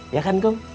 ya kan kum